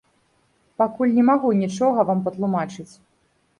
Пакуль не магу нічога вам патлумачыць.